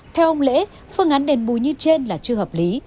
theo ông lễ phương án đền bù như trên là chưa hợp lý